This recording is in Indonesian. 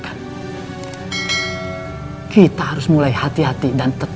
tapi ciraus tidak bisa mencuri harta warisan tersebut